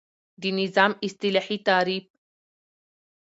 د نظام اصطلاحی تعریف